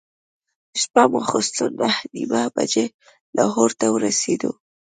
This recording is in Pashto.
شپه ماخوستن نهه نیمې بجې لاهور ته ورسېدو.